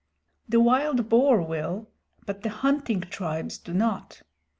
The wild boar will, but the hunting tribes do not.